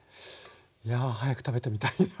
いやぁ早く食べてみたいな。